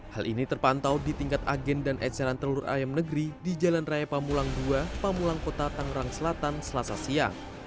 hal ini terpantau di tingkat agen dan eceran telur ayam negeri di jalan raya pamulang dua pamulang kota tangerang selatan selasa siang